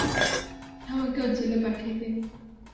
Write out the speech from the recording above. আমাকেও জেলে পাঠিয়ে দিন।